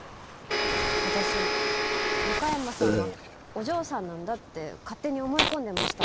私向山さんはお嬢さんなんだって勝手に思い込んでました。